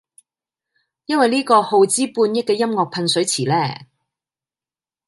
因為呢個耗資半億嘅音樂噴水池呢